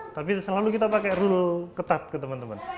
tapi selalu kita pakai rule ketat ke teman teman